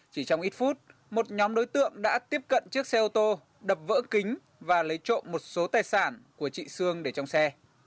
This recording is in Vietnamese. chỉ trong ít phút một nhóm đối tượng đã tiếp cận chiếc xe ô tô đập vỡ kính và lấy trộm một số tài sản của chị sương để trong xe